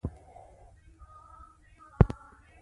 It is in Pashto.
دوی وروسته د لیبرال دولت جابرانه ځواک څخه کار واخیست.